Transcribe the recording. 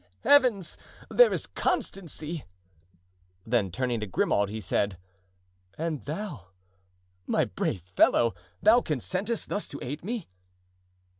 Heavens! there is constancy!" Then turning to Grimaud, he said: "And thou, my brave fellow, thou consentest thus to aid me?"